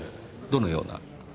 どのような？